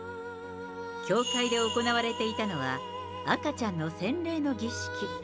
教会で行われていたのは、赤ちゃんの洗礼の儀式。